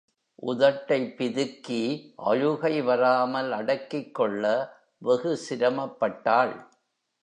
உதட்டைப் பிதுக்கி அழுகை வராமல் அடக்கிக் கொள்ள வெகு சிரமப்பட்டாள்.